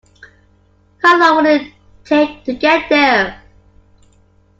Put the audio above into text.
How long would it take to get there?